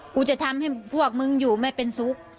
กูจะทำให้พวกมึงอยู่ไม่เป็นสุข